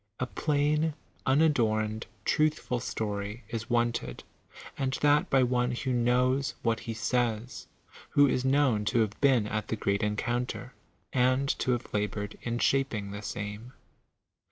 A plain, unadorned, truthful story is wanted, and that by one who knows what he says, who is known to have been at the great en counter, and to have labored in shaping the same.